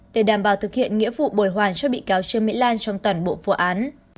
để đảm bảo thực hiện nghĩa vụ bồi hoàn cho bị cáo trương mỹ lan trong toàn bộ vụ án